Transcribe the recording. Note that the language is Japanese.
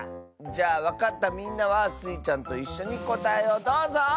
じゃあわかったみんなはスイちゃんといっしょにこたえをどうぞ！